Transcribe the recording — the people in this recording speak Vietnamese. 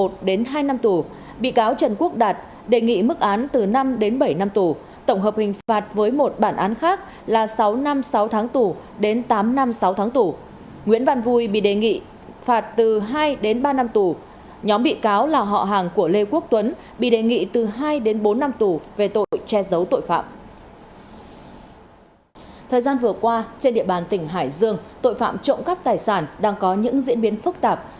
thời gian vừa qua trên địa bàn tỉnh hải dương tội phạm trộm cắp tài sản đang có những diễn biến phức tạp